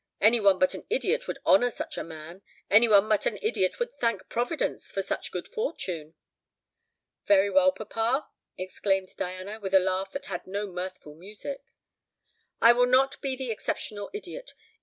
Any one but an idiot would honour such a man; any one but an idiot would thank Providence for such good fortune." "Very well, papa," exclaimed Diana, with a laugh that had no mirthful music, "I will not be the exceptional idiot. If M.